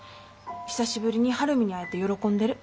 久しぶりに晴海に会えて喜んでる。